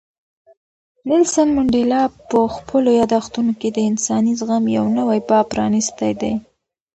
نیلسن منډېلا په خپلو یادښتونو کې د انساني زغم یو نوی باب پرانیستی دی.